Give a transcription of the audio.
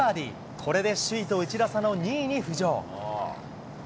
これで首位と１打差の２位に浮上。